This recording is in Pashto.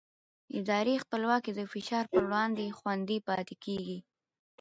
اداري خپلواکي د فشار پر وړاندې خوندي پاتې کېږي